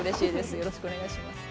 よろしくお願いします。